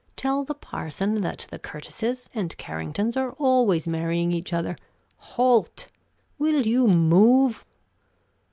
Tell the parson that the Curtises and Carringtons are always marrying each other. Holt! will you move?"